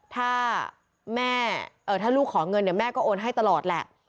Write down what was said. ถ้าแม่ถ้าลูกขอเงินเนี่ยแม่ก็โอนให้ตลอดแหละ